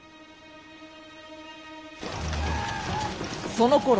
そのころ